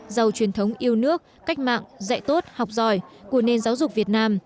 giàu truyền thống yêu nước cách mạng dạy tốt học giỏi của nền giáo dục việt nam